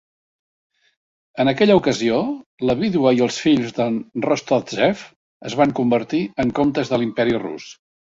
En aquella ocasió, la vídua i els fills de Rostovtsev es van convertir en comtes de l'Imperi rus.